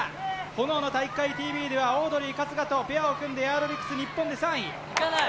「炎の体育会ＴＶ」ではオードリー春日とペアを組んでエアロビクス日本で３位いかない？